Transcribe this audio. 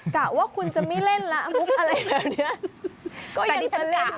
กะว่าคุณจะไม่เล่นละมุกอะไรแบบนี้